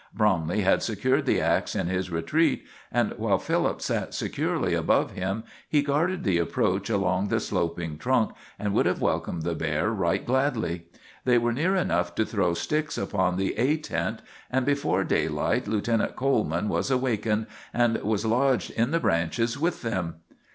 Bromley had secured the ax in his retreat, and while Philip sat securely above him, he guarded the approach along the sloping trunk, and would have welcomed the bear right gladly. They were near enough to throw sticks upon the "A" tent, and before daylight Lieutenant Coleman was awakened and was lodged in the branches with them.